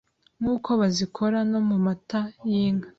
nk’uko bazikora no mu mata y’inka